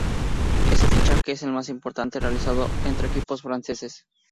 Ese fichaje es el más importante realizado entre equipos franceses.